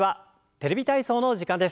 「テレビ体操」の時間です。